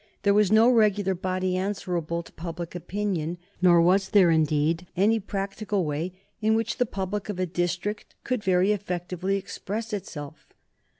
There was no regular body answerable to public opinion, nor was there indeed any practical way in which the public of a district could very effectively express itself.